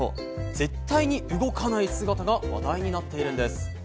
絶対に動かない姿が話題になっているんです。